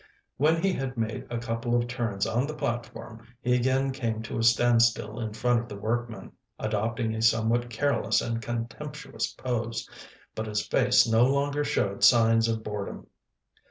When he had made a couple of turns on the platform, he again came to a standstill in front of the workmen, adopting a somewhat careless and contemptuous pose. But his face no longer showed signs of boredom.